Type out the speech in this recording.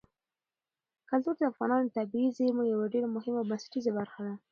کلتور د افغانستان د طبیعي زیرمو یوه ډېره مهمه او بنسټیزه برخه ده.